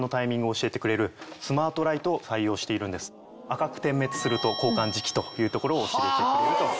赤く点滅すると交換時期というところを教えてくれるという。